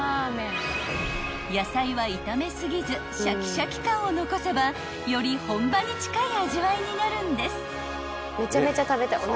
［野菜は炒め過ぎずシャキシャキ感を残せばより本場に近い味わいになるんです］